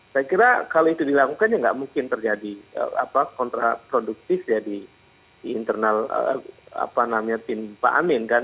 saya kira kalau itu dilakukan ya nggak mungkin terjadi kontraproduktif ya di internal tim pak amin kan